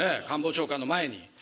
官房長官の前に。